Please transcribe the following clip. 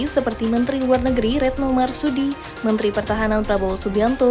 seperti menteri luar negeri retno marsudi menteri pertahanan prabowo subianto